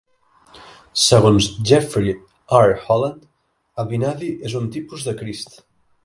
Segons Jeffrey R. Holland, Abinadi és un tipus de Crist.